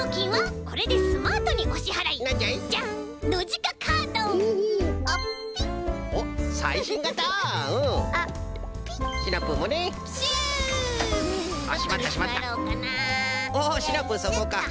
おおシナプーそこか。